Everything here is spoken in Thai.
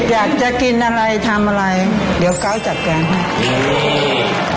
อยากจะกินอะไรทำอะไรเดี๋ยวเกาะจัดแกงให้